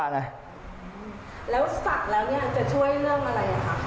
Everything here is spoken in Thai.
แล้วสักแล้วจะช่วยเรื่องอะไร